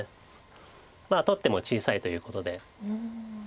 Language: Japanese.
取っても小さいということで。